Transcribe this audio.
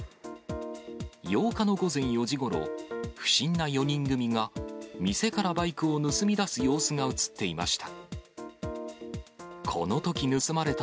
８日の午前４時ごろ、不審な４人組が店からバイクを盗みだす様子が写っていました。